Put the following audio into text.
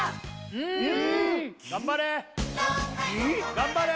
頑張れ！